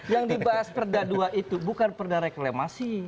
yang dibahas perda dua itu bukan perda reklamasi